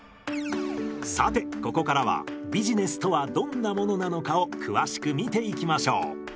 さてここからはビジネスとはどんなものなのかを詳しく見ていきましょう。